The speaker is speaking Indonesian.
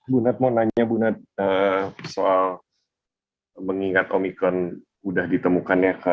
bu nat mau nanya soal mengingat omikron sudah ditemukannya